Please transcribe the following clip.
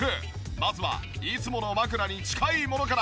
まずはいつもの枕に近いものから。